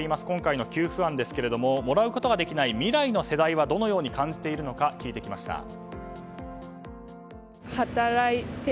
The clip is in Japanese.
今回の給付案ですがもらうことができない未来の世代はどのように感じているのか聞いてきました。